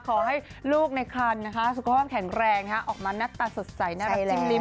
ขอให้ลูกในคันสุขภาพแข็งแรงออกมาหน้าตาสดใสน่ารักจิ้มลิ้ม